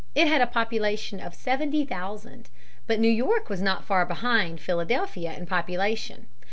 It had a population of seventy thousand. But New York was not far behind Philadelphia in population.